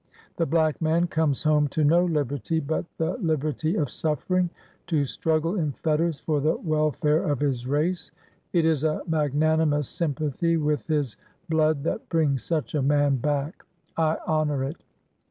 The black man comes home to no liberty but the liber ty of suffering — to struggle in fetters for the welfare of his race. It is a magnanimous sympathy with his blood that brings such a man back. I honor it.